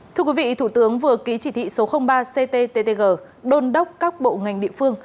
thưa quý vị thủ tướng vừa ký chỉ thị số ba cttg đôn đốc các bộ ngành địa phương